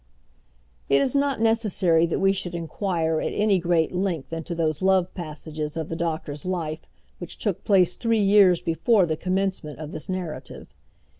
It is not necessary that we should inquire at any great length into those love passages of the doctor's life which took place three years before the commencement of this narrative.